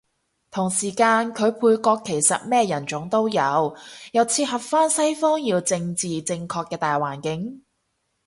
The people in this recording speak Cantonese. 同時間佢配角其實咩人種都有，又切合返西方要政治正確嘅大環境